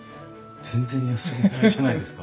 全然休みがないじゃないですか。